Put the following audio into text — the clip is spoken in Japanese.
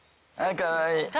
かわいい！